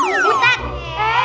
jangan bantuin ustaz ya